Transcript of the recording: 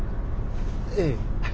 ええ。